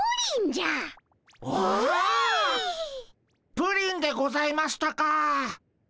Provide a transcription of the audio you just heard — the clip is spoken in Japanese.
プリンでございましたかっ。